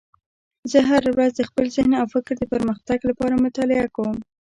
زه هره ورځ د خپل ذهن او فکر د پرمختګ لپاره مطالعه کوم